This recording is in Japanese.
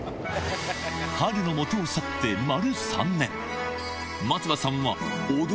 波瑠のもとを去って丸３年。